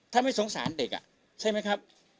ถ้าไม่สงสารเด็กใช่ไหมครับ